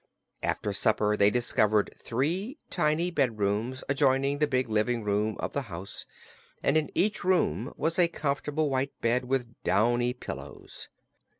After supper they discovered three tiny bedrooms adjoining the big living room of the house, and in each room was a comfortable white bed with downy pillows.